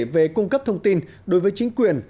về cung cấp thông tin đối với chính quyền